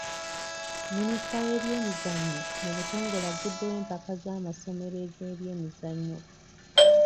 Minisita w'ebyemizannyo mu butongole aguddewo empaka z'amasomero ez'ebyemizannyo.